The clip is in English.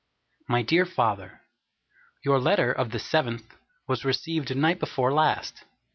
My dear father: Your letter of the 7th was received night before last.